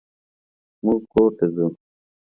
مونږ کور ته ځو.